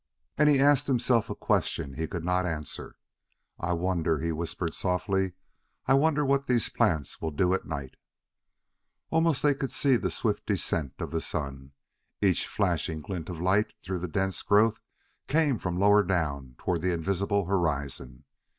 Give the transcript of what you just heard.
And he asked himself a question he could not answer: "I wonder," he whispered softly, " I wonder what these plants will do at night!" Almost they could see the swift descent of the sun. Each flashing glint of light through the dense growth came from lower down toward the invisible horizon.